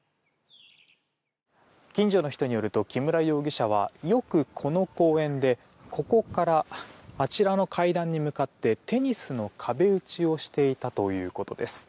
近所の人によると木村容疑者はよく、この公園でここからあちらの階段に向かってテニスの壁打ちをしていたということです。